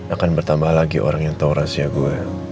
akan bertambah lagi orang yang tahu rahasia gue